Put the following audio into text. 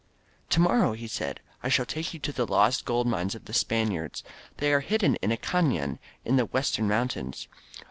"To morrow," he said, "I shall take you to the lost gold mines of the Spaniards. They are hidden in a caiion in the Western mountains.